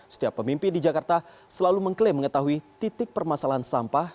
setiap pemimpin di jakarta selalu mengklaim mengetahui titik permasalahan sampah